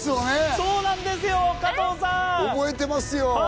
そうなんですよ加藤さん！覚えてますよ。